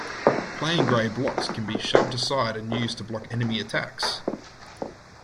Plain grey blocks can be shoved aside and used to block enemy attacks.